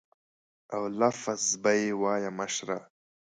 او لفظ به یې وایه مشره.